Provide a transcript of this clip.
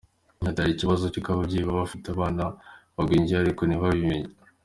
Yagize ati “Hari ikibazo cy’uko ababyeyi baba bafite abana bagwingiye ariko ntibabimenye.